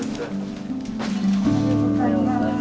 おはようございます。